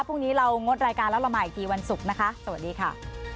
พรุ่งนี้เรางดรายการแล้วเรามาอีกทีวันศุกร์นะคะสวัสดีค่ะ